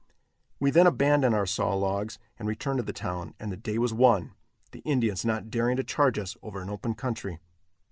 We then abandoned our saw logs and returned to the town, and the day was won, the Indians not daring to charge us over an open country.